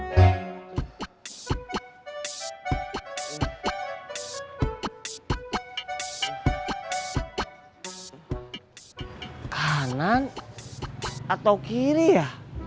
kanan atau kiri ya